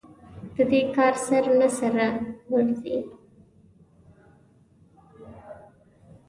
د دې کار سر نه سره ورځي.